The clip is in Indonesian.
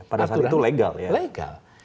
aturan itu legal